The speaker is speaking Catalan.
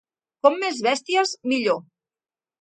Com més bèsties millor.